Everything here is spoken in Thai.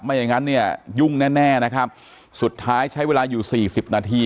อย่างงั้นเนี่ยยุ่งแน่แน่นะครับสุดท้ายใช้เวลาอยู่สี่สิบนาที